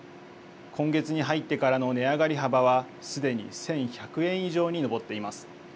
今月に入ってからの値上がり幅はすでに１１００円以上に上っています。